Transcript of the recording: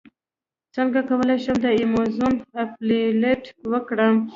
څنګه کولی شم د ایمیزون افیلیټ وکړم